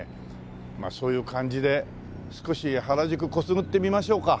まあそういう感じで少し原宿こすぐってみましょうか。